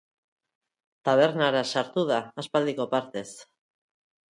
Tabernara sartu da aspaldiko partez.